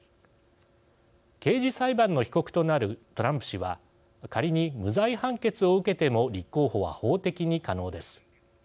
刑事裁判の被告となるトランプ氏は仮に無罪判決を受けても立候補は法的に可能です。